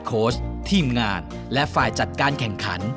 โค้ชทีมงานและฝ่ายจัดการแข่งขัน